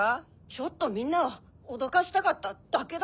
ちょっとみんなをおどかしたかっただけだよ！